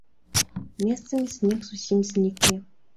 Месцамі снег зусім знікне.